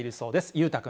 裕太君。